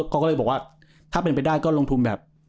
เขาก็เลยบอกว่าถ้าเป็นไปได้ก็ลงทุนแบบ